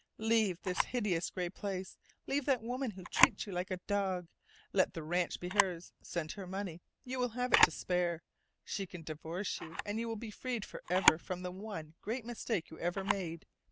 "Leave this hideous gray place. Leave that woman who treats you like a dog. Let the ranch be hers. Send her money. You will have it to spare. She can divorce you, and you will be freed forever from the one great mistake you ever made.